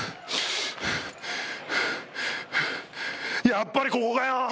やっぱりここかよ！